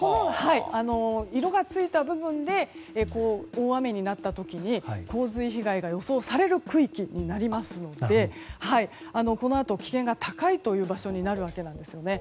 色がついた部分で大雨になった時に洪水被害が予想される区域になりますのでこのあと危険が高い場所になるわけなんですよね。